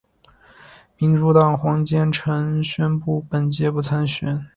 民主党黄坚成宣布本届不参选。